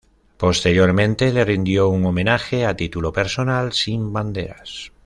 Posteriormente le rindió un homenaje a título personal, sin banderas.